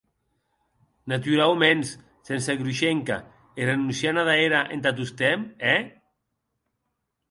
Naturauments, sense Grushenka e renonciant ada era entà tostemp, è?